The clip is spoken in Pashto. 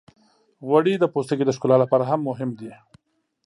غوړې د پوستکي د ښکلا لپاره هم مهمې دي.